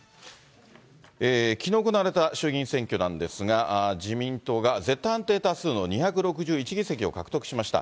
きのう行われた衆議院選挙なんですが、自民党が絶対安定多数の２６１議席を獲得しました。